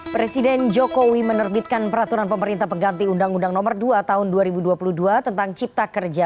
presiden jokowi menerbitkan peraturan pemerintah pengganti undang undang nomor dua tahun dua ribu dua puluh dua tentang cipta kerja